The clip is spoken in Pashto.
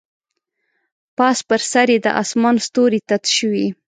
پاس پر سر یې د اسمان ستوري تت شوي